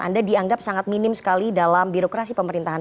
anda dianggap sangat minim sekali dalam birokrasi pemerintahan